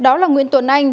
đó là nguyễn tuấn anh